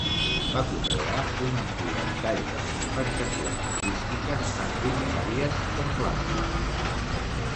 Va conrear un ampli ventall de manifestacions artístiques, tant literàries com plàstiques.